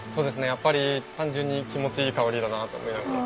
やっぱり単純に気持ちいい香りだなと思いながら。